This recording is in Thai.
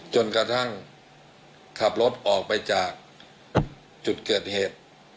จนกระทั่งขับรถออกไปจากจุดเกิดเหตุ